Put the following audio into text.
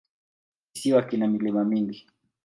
Kisiwa kina milima mingi.